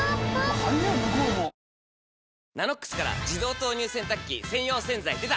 「ＮＡＮＯＸ」から自動投入洗濯機専用洗剤でた！